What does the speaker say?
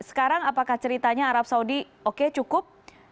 sekarang apakah ceritanya arab saudi oke cukup